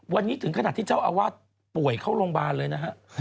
วันนี้ถึงขนาดที่เจ้าอาวาสป่วยเข้าโรงพยาบาลเลยนะฮะ